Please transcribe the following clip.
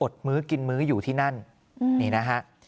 มื้อกินมื้ออยู่ที่นั่นนี่นะฮะ